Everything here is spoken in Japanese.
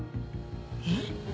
えっ？